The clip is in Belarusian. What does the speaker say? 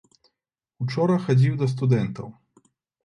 Учора хадзіў да студэнтаў.